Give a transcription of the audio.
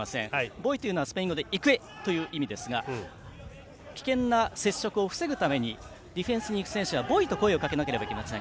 ボイというのはスペイン語で「いけ」という意味ですが危険なディフェンスにいくときボイと声をかけなくてはいけません。